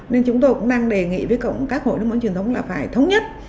nên chúng tôi cũng đang đề nghị với các hội nước mắm truyền thống là phải thống nhất